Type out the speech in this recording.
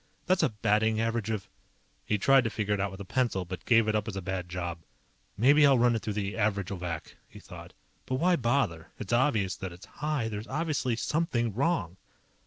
That's a batting average of_ He tried to figure it out with a pencil, but gave it up as a bad job. Maybe I'll run it through the Averagovac, he thought. _But why bother? It's obvious that it's high. There's obviously SOMETHING WRONG.